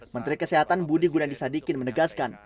menteri kesehatan budi gunadisadikin menegaskan